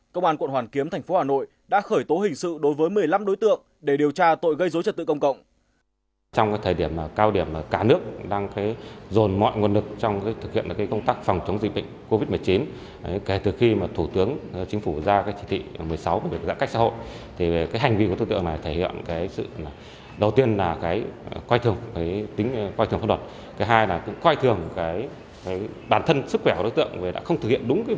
công an quận hoàn kiếm tp hà nội đã khởi tố hình sự đối với một mươi năm đối tượng để điều tra tội gây dối trật tự công cộng